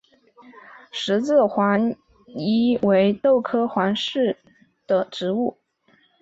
十字形黄耆为豆科黄芪属的植物。